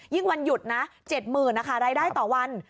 วันหยุดนะ๗๐๐๐นะคะรายได้ต่อวัน